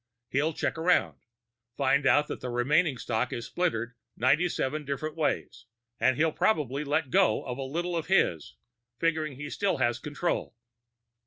He'll check around, find out that the remaining stock is splintered ninety seven different ways, and he'll probably let go of a little of his, figuring he still has control."